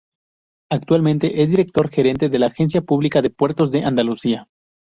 Actualmente es Director Gerente de la Agencia Pública de puertos de Andalucía.